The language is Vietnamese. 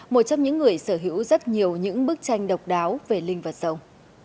một trong những người sở hữu rất nhiều những bức tranh độc đáo về linh vật rồng